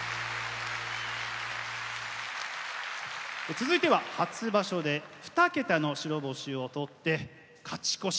続いては初場所で２桁の白星をとって勝ち越し。